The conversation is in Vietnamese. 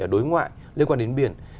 đối ngoại liên quan đến biển